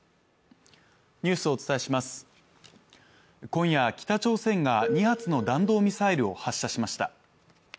今夜、北朝鮮が２発の弾道ミサイルを発射しました。